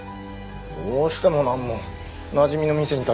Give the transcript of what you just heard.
どうしてもなんもなじみの店に立ち寄っただけや。